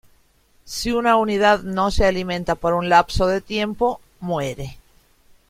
Si una unidad no se alimenta por una lapso de tiempo, muere.